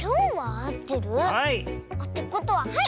あってことははい！